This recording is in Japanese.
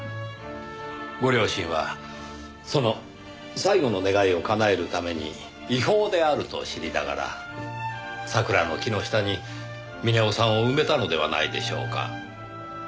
ご両親はその最後の願いをかなえるために違法であると知りながら桜の木の下に峰夫さんを埋めたのではないでしょうか。